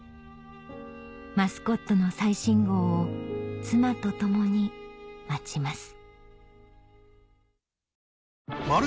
『マスコット』の最新号を妻と共に待ちます